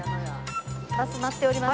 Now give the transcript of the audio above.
バス待っております。